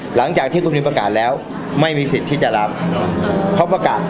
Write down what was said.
หลังจากที่ตรงนี้ประกาศแล้วไม่มีสิทธิ์ที่จะรับเพราะประกาศ